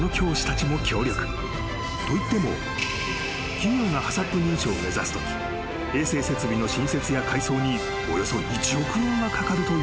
［といっても企業がＨＡＣＣＰ認証を目指すとき衛生設備の新設や改装におよそ１億円はかかるといわれている］